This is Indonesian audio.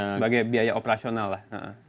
sebagai biaya operasional lah